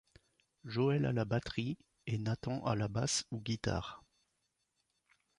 Joel à la batterie, et Nathan à la basse ou guitare.